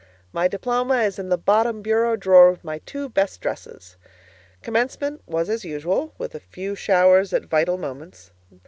My diploma is in the bottom bureau drawer with my two best dresses. Commencement was as usual, with a few showers at vital moments.